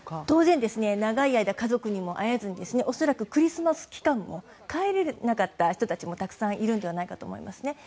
当然、長い間家族にも会えずに恐らくクリスマス期間も帰れなかった人たちもたくさんいるのではないかと思いますね。